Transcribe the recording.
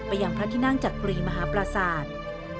ยังพระที่นั่งจักรีมหาปราศาสตร์